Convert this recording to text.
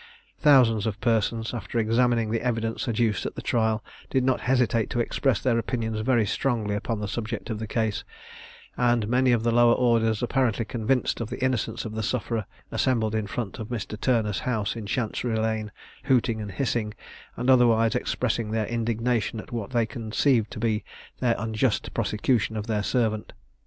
Thousands of persons, after examining the evidence adduced at the trial, did not hesitate to express their opinions very strongly upon the subject of the case; and many of the lower orders, apparently convinced of the innocence of the sufferer, assembled in front of Mr. Turner's house, in Chancery lane, hooting and hissing, and otherwise expressing their indignation, at what they conceived to be their unjust prosecution of their servant.